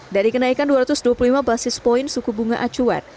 dari kenaikan dua ratus dua puluh lima basis point suku bunga acuan